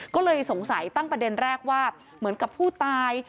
ก็เลยสงสัยตั้งประเด็นแรกว่าเหมือนกับผู้ตาย